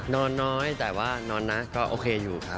นอนน้อยแต่ว่านอนก็โอเคอยู่